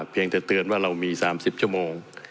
เพียงแต่เตือนว่าเรามี๓๐ชั่วโมง